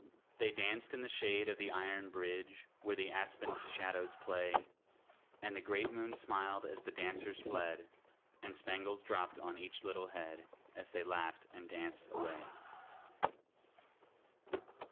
They danced in the shade of the iron bridge, Where the aspen's shadows play; And the great moon smiled as the dancers fled, And spangles dropped on each little head, As they laughed and danced away.